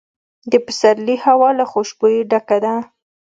د پسرلي هوا له خوشبویۍ ډکه ده.